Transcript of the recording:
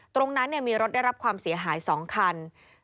ตรงนั้นมีรถได้รับความเสียหาย๒คัน